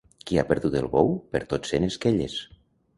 Qui ha perdut el bou, pertot sent esquelles.